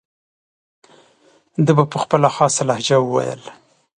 ده به په خپله خاصه لهجه وویل.